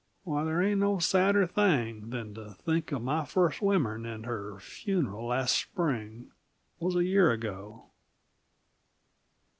W'y, they ain't no sadder thing Than to think of my first womern And her funeral last spring Was a year ago.